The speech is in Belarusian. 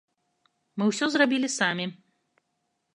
Мы ўсё зрабілі самі.